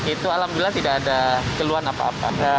itu alhamdulillah tidak ada keluhan apa apa